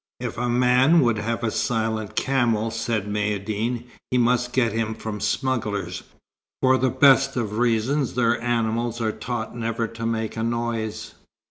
"If a man would have a silent camel," said Maïeddine, "he must get him from smugglers. For the best of reasons their animals are taught never to make a noise."